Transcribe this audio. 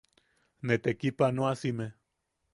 Ne tekipanoasime.